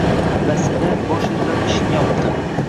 Basida bosh irg‘ab eshikni yopdi.